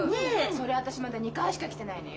それ私まだ２回しか着てないのよ。